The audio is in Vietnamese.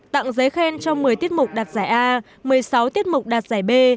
tặng giấy khen cho một mươi tiết mục đặt giải a một mươi sáu tiết mục đặt giải b